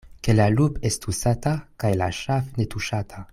Ke la lup' estu sata, kaj la ŝaf' ne tuŝata.